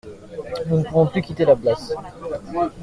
Nous ne pouvons plus quitter la place.